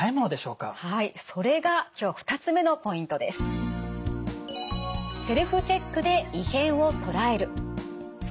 はいそれが今日２つ目のポイントです。